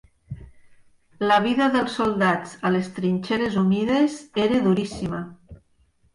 La vida dels soldats a les trinxeres humides era duríssima.